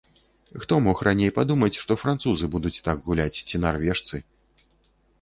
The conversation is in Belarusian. Хто мог раней падумаць, што французы будуць так гуляць ці нарвежцы.